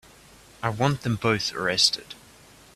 I want them both arrested.